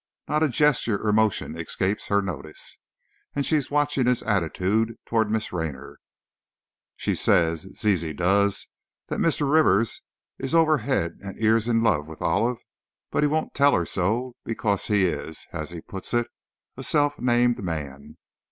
Not a gesture or motion escapes her notice. And she's watching his attitude toward Miss Raynor. She says, Zizi does, that Mr. Rivers is over head and ears in love with Olive, but he won't tell her so because he is, as he puts it, a self named man!